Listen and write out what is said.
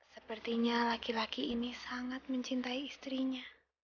sepertinya laki laki ini sangat mencintai istrinya